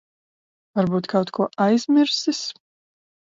Varbūt kaut ko aizmirsis.